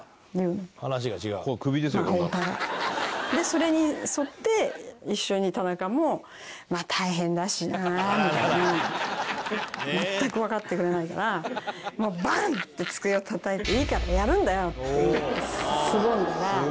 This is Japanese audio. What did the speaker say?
それに沿って一緒に田中も「まあ大変だしな」みたいな。全くわかってくれないからもうバン！って机をたたいて「いいからやるんだよ！」って言ってすごんだら。